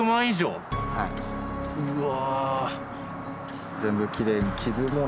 うわ。